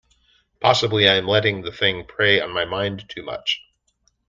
Possibly I am letting the thing prey on my mind too much.